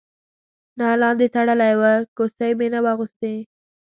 نه لاندې تړلی و، کوسۍ مې نه وه اغوستې.